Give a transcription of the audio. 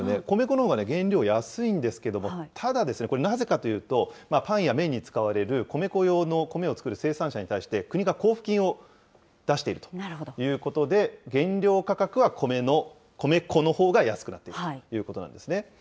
米粉のほうが原料安いんですけども、ただ、これ、なぜかというと、パンや麺に使われる米粉用の米を作る生産者に対して、国が交付金を出しているということで、原料価格は米粉のほうが安くなっているということなんですね。